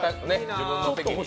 自分のお席に。